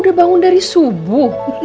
udah bangun dari subuh